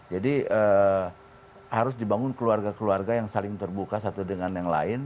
jadi harus dibangun keluarga keluarga yang saling terbuka satu dengan yang lain